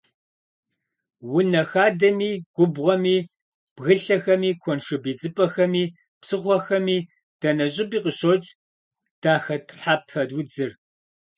Унэ хадэми, губгъуэми, бгылъэхэми, куэншыб идзыпӏэхэми, псыхъуэхэми, дэнэ щӏыпӏи къыщокӏ дахэтхьэпэ удзыр.